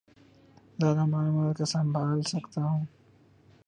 زیادہ معلومات کا سنبھال سکتا ہوں